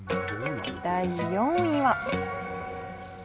第４位は。